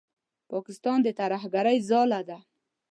پاکستان د ترهګرۍ ځاله ده.